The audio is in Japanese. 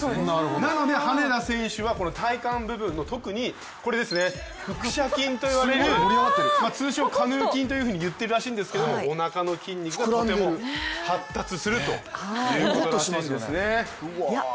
なので羽根田選手は体幹部分を特に、特に腹斜筋といわれる通称・カヌー筋といってるらしいんですけどおなかの筋肉がとても発達するということらしいんですね。